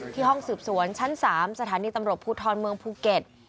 ห้องสืบสวนชั้น๓สถานีตำรวจภูทรเมืองภูเก็ต